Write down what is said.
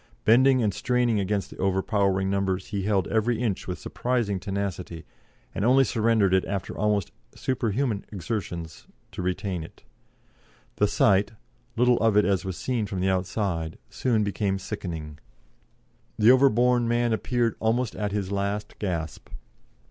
Bending and straining against the overpowering numbers, he held every inch with surprising tenacity, and only surrendered it after almost superhuman exertions to retain it. The sight little of it as was seen from the outside soon became sickening. The overborne man appeared almost at his last gasp.